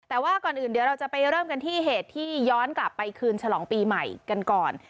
แต่ว่าก่อนอื่นเดี๋ยวเราจะไปเริ่มกันที่เหตุที่ย้อนกลับไปคืนฉลองปีใหม่กันก่อน